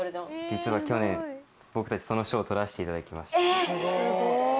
実は去年僕たちその賞取らせていただきました。